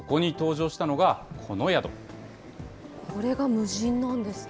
これが無人なんですか？